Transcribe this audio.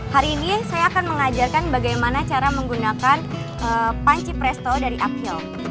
hari ini saya akan mengajarkan bagaimana cara menggunakan panci presto dari akhil